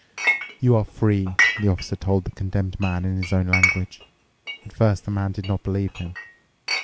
"You are free," the Officer told the Condemned Man in his own language. At first the man did not believe him.